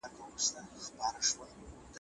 ماشومان د والدینو غبرګونونه تعقیبوي.